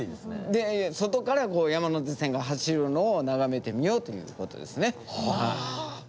で外から山手線が走るのを眺めてみようということですね。